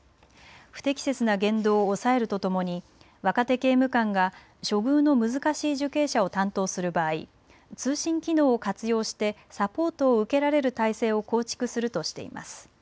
不適切な言動を抑えるとともに若手刑務官が処遇の難しい受刑者を担当する場合、通信機能を活用してサポートを受けられる体制を構築するとしています。